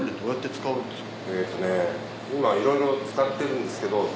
えっとねいろいろ使ってるんですけど。